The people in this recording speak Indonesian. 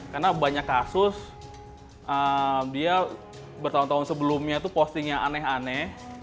karena banyak kasus dia bertahun tahun sebelumnya tuh posting yang aneh aneh